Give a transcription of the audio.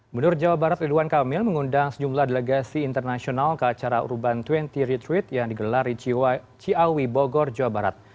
menurut jawa barat ridwan kamil mengundang sejumlah delegasi internasional ke acara urban dua puluh retreet yang digelar di ciawi bogor jawa barat